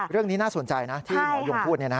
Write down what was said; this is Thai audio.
เรื่องนี้น่าสนใจนะที่หมอยงพูด